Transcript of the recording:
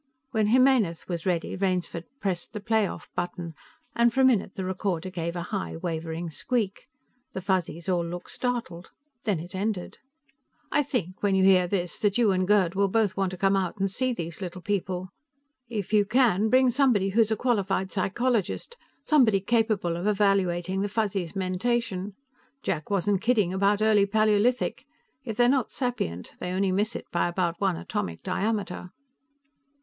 When Jimenez was ready, Rainsford pressed the play off button, and for a minute the recorder gave a high, wavering squeak. The Fuzzies all looked startled. Then it ended. "I think, when you hear this, that you and Gerd will both want to come out and see these little people. If you can, bring somebody who's a qualified psychologist, somebody capable of evaluating the Fuzzies' mentation. Jack wasn't kidding about early Paleolithic. If they're not sapient, they only miss it by about one atomic diameter."